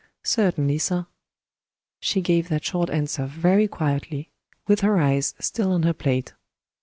"Certainly, sir." She gave that short answer very quietly, with her eyes still on her plate.